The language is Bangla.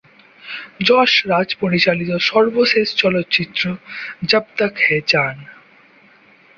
যশ রাজ পরিচালিত সর্বশেষ চলচ্চিত্র "যাব তাক হ্যায় জান"।